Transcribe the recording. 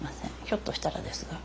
ひょっとしたらですが。